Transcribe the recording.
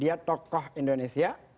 dia tokoh indonesia